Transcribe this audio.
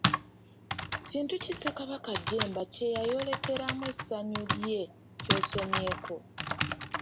Kintu ki Ssekabaka Jjemba kye yayolekeramu essanyu lye ky' osomyeko?